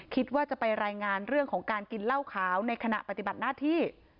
คิดว่าจะไปรายงานเรื่องของการกินเหล้าขาวในขณะปฏิบัติหน้าที่